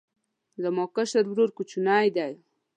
زما کشر ورور کوچنی دی